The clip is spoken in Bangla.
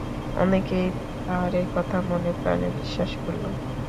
অনেকেই তার এ কথা মনেপ্রাণে বিশ্বাস করল।